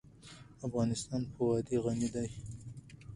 افغانستان په وادي غني دی.